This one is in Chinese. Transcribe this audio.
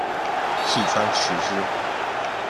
细川持之。